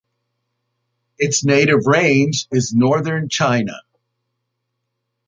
Its native range is northern China.